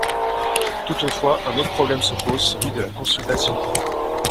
Toutefois, un autre problème se pose : celui de la consultation.